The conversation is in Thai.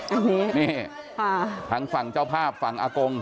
อันนี้นี่ทางฝั่งเจ้าภาพฝั่งอากง